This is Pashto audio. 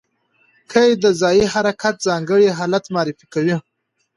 قید د ځایي حرکت ځانګړی حالت معرفي کوي.